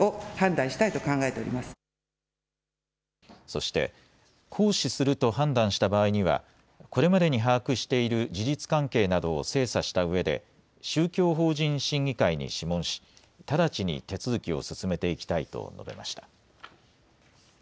そして行使すると判断した場合にはこれまでに把握している事実関係などを精査したうえで宗教法人審議会に諮問し直ちに手続きを進めていきたいと述べました。